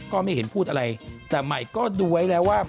ก็ไม่เห็นพูดอะไรแต่ใหม่ก็ดูไว้แล้วว่า